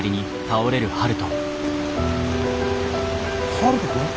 悠人君！？